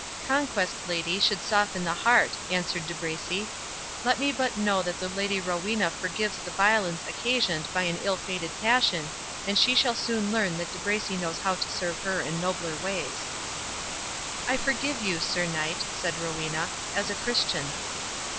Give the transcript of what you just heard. "Conquest, lady, should soften the heart," answered De Bracy; "let me but know that the Lady Rowena forgives the violence occasioned by an ill fated passion, and she shall soon learn that De Bracy knows how to serve her in nobler ways." "I forgive you, Sir Knight," said Rowena, "as a Christian."